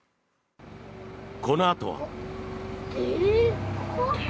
このあとは。